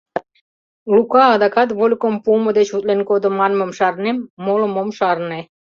Лука адакат вольыкым пуымо деч утлен кодо», манмым шарнем, молым ом шарне.